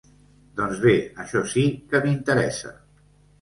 Doncs bé, això sí que m'interessa.